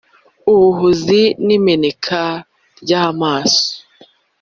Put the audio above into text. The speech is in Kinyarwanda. ubuhunzi n'imeneka ry' amaraso.